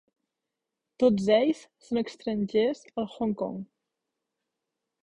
Tots ells són estrangers a Hong Kong.